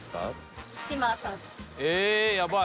ええやばい。